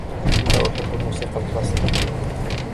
لا أحب الموسيقى الكلاسيكية.